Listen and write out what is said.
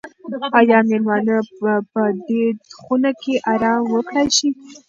آیا مېلمانه به په دې خونه کې ارام وکړای شي؟